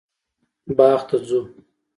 باغ ته ځو